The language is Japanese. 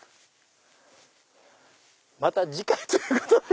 また次回ということで。